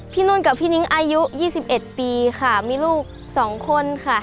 นุ่นกับพี่นิ้งอายุ๒๑ปีค่ะมีลูก๒คนค่ะ